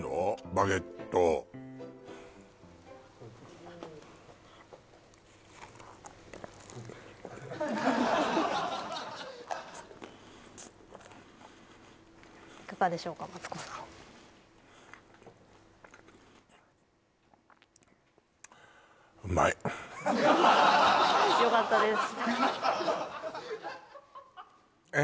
バゲットいかがでしょうかマツコさんよかったですえ